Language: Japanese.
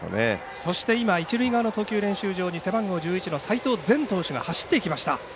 そして今一塁側の投球練習場に背番号１１番の齋藤禅選手が走っていきました。